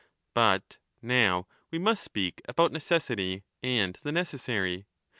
15 But now we must speak about necessity and the necessary.